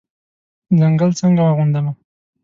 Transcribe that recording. ځنګل څنګه واغوندمه